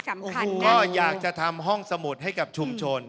สำคัญก็อยากจะทำห้องสมุดให้กับชุมชน